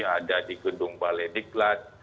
ada di gedung balai diklat